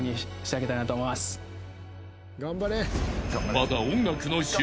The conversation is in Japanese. ［まだ］